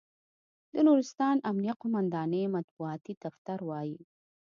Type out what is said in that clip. د نورستان امنیه قوماندانۍ مطبوعاتي دفتر وایي،